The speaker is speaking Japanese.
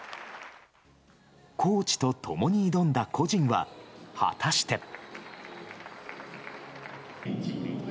コーチと共に挑んだ個人は、果たして。